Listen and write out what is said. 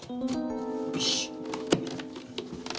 よし。